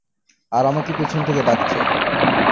আর আমাকে পেছন থেকে ডাকছে।